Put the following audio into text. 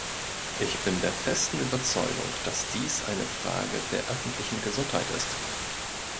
Ich bin der festen Überzeugung, dass dies eine Frage der öffentlichen Gesundheit ist.